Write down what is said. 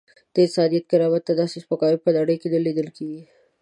د انسان کرامت ته داسې سپکاوی په نړۍ کې نه لیدل کېږي.